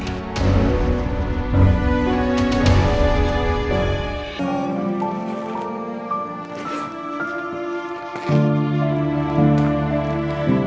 aku mau denger